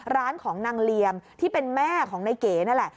ร้านของนางเหลี่ยมที่เป็นแม่ของนายเก๋นั่นแหละ